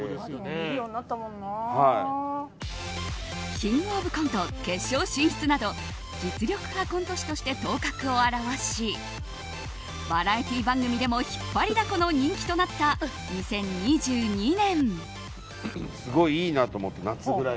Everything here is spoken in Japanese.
「キングオブコント」決勝進出など実力派コント師として頭角を現しバラエティー番組でも引っ張りだこの人気となった２０２２年。